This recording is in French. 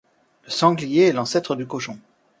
Le sanglier est l'ancêtre du cochon